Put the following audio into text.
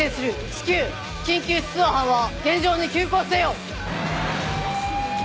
至急緊急出動班は現場に急行せよ！